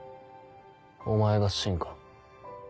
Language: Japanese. お前が信か？